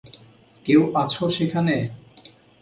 কেউ আছো সেখানে?